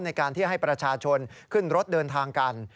ในการที่ให้ประชาชนขึ้นรถเดินทางกัน